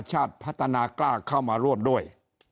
ชาติพัฒนากล้าเข้ามาร่วมด้วย